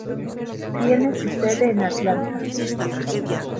Tiene su sede en Atlanta.